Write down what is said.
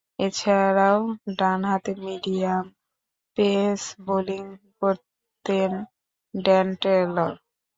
এছাড়াও, ডানহাতে medium pace bowling করতেন ড্যান টেলর।